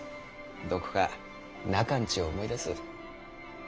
どこか中の家を思い出す。